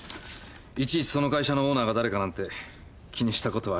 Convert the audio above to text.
いちいちその会社のオーナーがだれかなんて気にしたことはありませんよ。